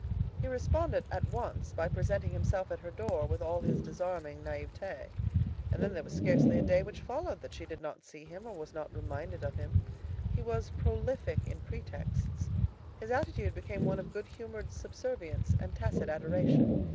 He responded at once by presenting himself at her home with all his disarming naïveté. And then there was scarcely a day which followed that she did not see him or was not reminded of him. He was prolific in pretexts. His attitude became one of good humored subservience and tacit adoration.